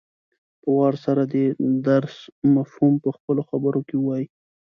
په وار سره دې د درس مفهوم په خپلو خبرو کې ووايي.